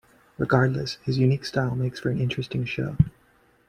Regardless his unique style makes for an interesting show.